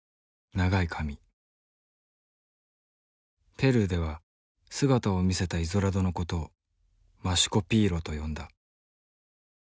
ペルーでは姿を見せたイゾラドの事をマシュコピーロと呼んだ。